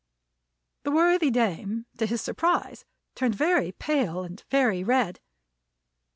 The worthy dame, to his surprise, turned very pale and very red.